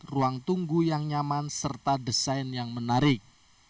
ruang tunggu yang nyaman serta desain yang menarik